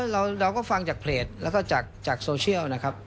เราก็ฟังจากเพจแล้วก็จากโซเชียลนะครับ